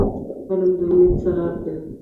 فلم د امید څراغ دی